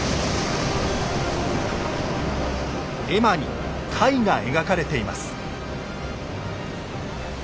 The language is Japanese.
絵馬に櫂が描かれています。